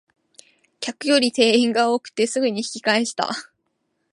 客より店員が多くてすぐに引き返した